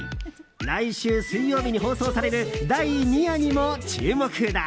来週水曜日に放送される第２夜にも注目だ。